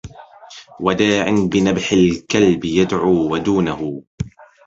وداع بنبح الكلب يدعو ودونه